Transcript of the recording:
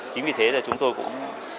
chính vì thế chúng tôi cũng